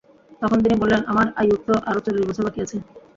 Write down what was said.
তখন তিনি বললেন, আমার আয়ুর তো আরো চল্লিশ বছর বাকি আছে!